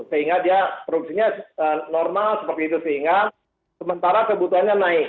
sehingga dia produksinya normal sehingga sementara kebutuhannya naik